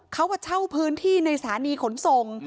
เขามาเช่าพื้นที่ในสถานีขนส่ง